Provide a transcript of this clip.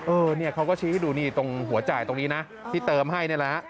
เออเนี่ยเขาก็ชี้ให้ดูนี่ตรงหัวจ่ายตรงนี้นะที่เติมให้นี่แหละฮะ